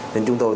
nên chúng tôi